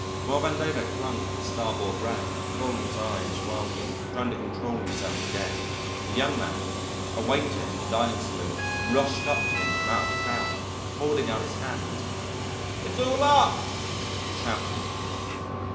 While Vandover clung to the starboard rail, rolling his eyes wildly, trying to control himself again, a young man, a waiter in the dining saloon, rushed up to him from out of the crowd, holding out his hand. "It's all up!" he shouted.